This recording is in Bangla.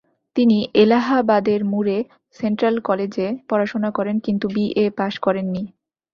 তিনি এলাহাবাদের মুরে সেন্ট্রাল কলেজে পড়াশোনা করেন কিন্তু বিএ পাস করেননি।